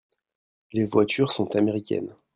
Les voitures sont américaines.